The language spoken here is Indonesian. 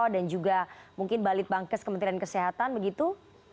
dan juga mungkin balitbangkes kementerian kesehatan begitu